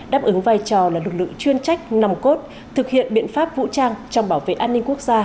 đáp ứng vai trò là lực lượng chuyên trách nòng cốt thực hiện biện pháp vũ trang trong bảo vệ an ninh quốc gia